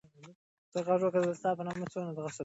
متوازن خواړه بدن پياوړی کوي.